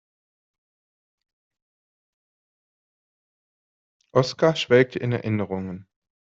Oskar schwelgte in Erinnerungen.